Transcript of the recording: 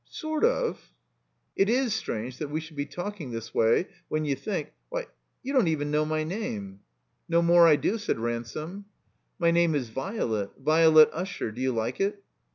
''Sort of—" It is strange that we shotdd be talking this way — ^when you think — Why, you don't even know my name." "No more I do," said Ransome. "My name is Violet. Violet Usher. Do you like it?"